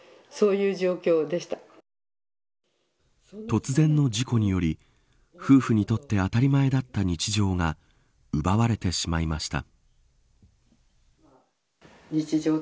突然の事故により夫婦にとって当たり前だった日常が奪われてしまいました。